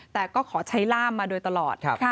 แต่ก็ขอใช้ล่ามมาโดยตลอด